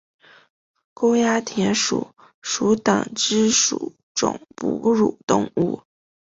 沟牙田鼠属等之数种哺乳动物。